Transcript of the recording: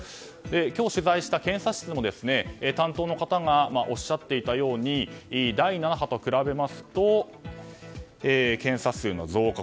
今日、取材した検査室の担当の方がおっしゃっていたように第７波と比べると検査数の増加